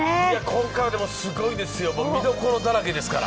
今回はすごいですよ、見どころだらけですから。